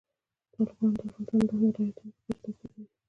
تالابونه د افغانستان د ولایاتو په کچه توپیر لري.